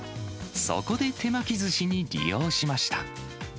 そこで手巻きずしに利用しました。